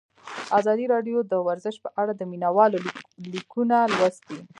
ازادي راډیو د ورزش په اړه د مینه والو لیکونه لوستي.